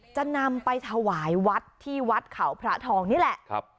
จะนำไปถวายวัดที่วัดเขาพระทองนี่แหละครับ